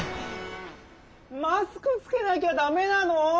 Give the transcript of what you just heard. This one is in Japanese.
マスクつけなきゃだめなの？